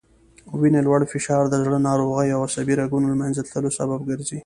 وینې لوړ فشار د زړه ناروغیو او عصبي رګونو له منځه تللو سبب ګرځي